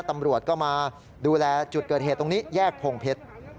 ตำรวจก็มาดูแลจุดเกิดเหตุตรงนี้แยกโพงเพชร